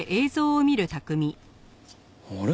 あれ？